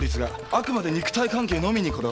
あくまで肉体関係のみにこだわってる。